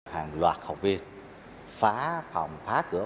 hàng loạt học viên phá phòng phá cửa